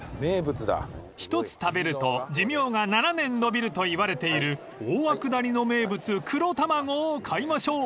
［１つ食べると寿命が７年延びるといわれている大涌谷の名物黒たまごを買いましょう］